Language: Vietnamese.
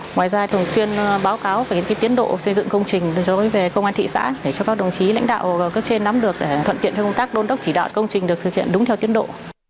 ngoài ra thường xuyên báo cáo về tiến độ xây dựng công trình đối với công an thị xã để cho các đồng chí lãnh đạo cấp trên nắm được để thuận tiện cho công tác đôn đốc chỉ đạo công trình được thực hiện đúng theo tiến độ